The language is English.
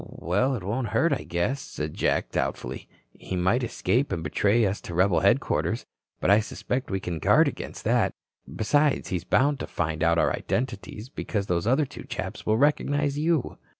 "Well, it won't hurt, I guess," said Jack, doubtfully. "He might escape and betray us to rebel headquarters, but I suspect we can guard against that. Besides, he's bound to find out our identities, because those other two chaps will recognize you."